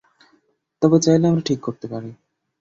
তবে চাইলে আমরা ঠিক করতে পারি।